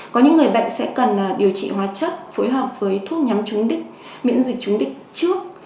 có những người bệnh sẽ cần điều trị hóa chất phối hợp với thuốc nhắm trúng đích miễn dịch chúng đích trước